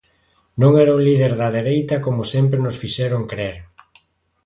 Non era un líder da dereita como sempre nos fixeron crer.